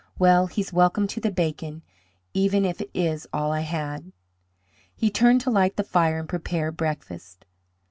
"Well, he's welcome to the bacon, even if it is all I had." He turned to light the fire and prepare breakfast.